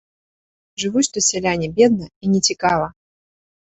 Жывуць тут сяляне бедна і нецікава.